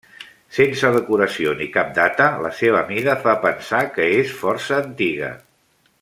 Sense decoració ni cap data, la seva mida fa pensar que és força antiga.